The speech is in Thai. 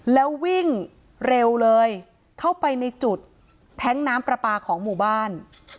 แล้ววิ่งเร็วเลยเข้าไปในจุดแท้งน้ำปลาปลาของหมู่บ้าน